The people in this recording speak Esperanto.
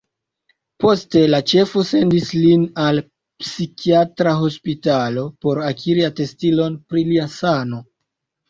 Poste la ĉefo sendis lin al psikiatra hospitalo por akiri atestilon pri lia sano.